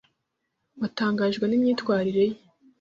watangajwe n'imyitwarire ye.